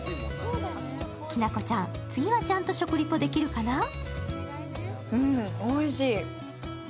きなこちゃん、次はちゃんと食リポできるかな？